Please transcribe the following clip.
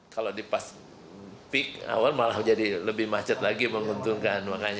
kalau di pas peak awal malah jadi lebih macet lagi menguntungkan